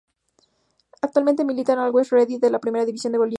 Actualmente milita en el Always Ready de la Primera División de Bolivia.